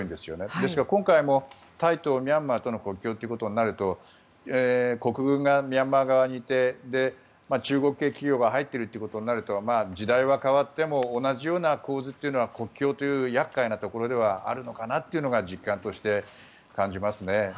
ですから今回もタイとミャンマーとの国境となると国軍がミャンマー側にいて中国系企業が入っているということになると時代は変わっても同じような構図というのは国境という厄介なところではあるのかなというのが実感として感じますね。